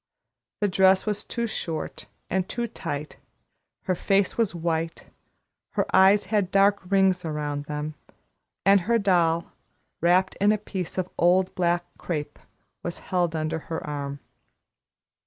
The dress was too short and too tight, her face was white, her eyes had dark rings around them, and her doll, wrapped in a piece of old black crape, was held under her arm.